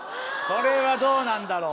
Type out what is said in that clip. これはどうなんだろう？